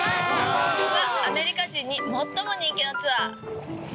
ここがアメリカ人に最も人気のツアー。